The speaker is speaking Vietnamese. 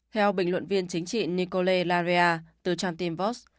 theo bình luận viên chính trị nicole larea từ trang tim vos